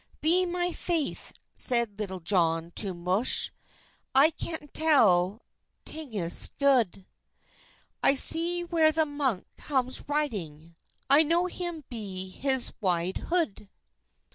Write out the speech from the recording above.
"Be my feith," said Litul Johne to Moche, "I can the tel tithyngus gode; I se wher the munk comys rydyng, I know hym be his wyde hode."